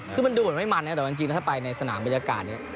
คือมันดูเหมือนไม่มันนะแต่ว่าจริงแล้วถ้าไปในสนามบรรยากาศเนี่ย